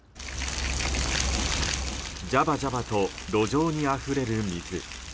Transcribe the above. ジャバジャバと路上にあふれる水。